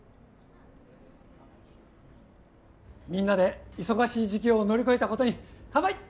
みんなで忙しい時期を乗り越えたことに乾杯！